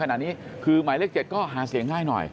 ขณะนี้คือหมายเลข๗ก็หาเสียงง่ายหน่อย